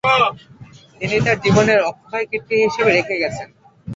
তিনি তার জীবনের অক্ষয় কীর্তি হিসেবে রেখে গেছেন।